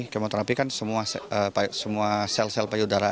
kemoterapi kan semua sel sel payudara